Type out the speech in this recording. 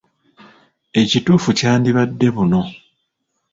Ekituufu kyandibadde ‘buno.’